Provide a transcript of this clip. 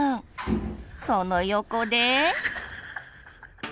その横で。